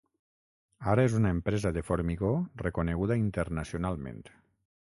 Ara és una empresa de formigó reconeguda internacionalment.